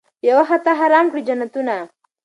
په یوه خطا حرام کړي جنتونه